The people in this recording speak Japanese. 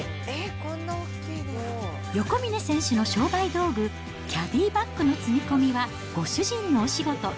横峯選手の商売道具、キャディバッグの積み込みはご主人のお仕事。